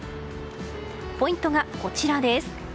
ポイントが、こちらです。